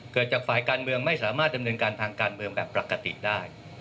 เกิดจากฝ่ายการเมืองไม่สามารถดำเนินการทางการเมืองแบบปกติได้